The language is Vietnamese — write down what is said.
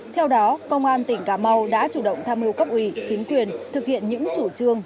theo đó công an tỉnh cà mau đã chủ động tham mưu cấp ủy chính quyền thực hiện những chủ trương